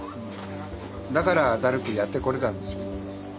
だからダルクやってこれたんですよ。